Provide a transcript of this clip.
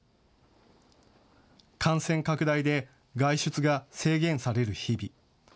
感染拡大で外出が制限される日々。